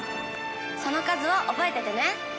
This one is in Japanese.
その数を覚えててね。